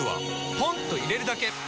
ポンと入れるだけ！